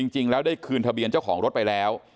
จริงแล้วได้คืนทะเบียนเจ้าของรถไปแล้ว